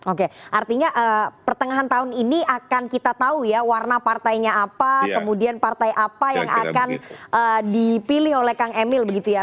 oke artinya pertengahan tahun ini akan kita tahu ya warna partainya apa kemudian partai apa yang akan dipilih oleh kang emil begitu ya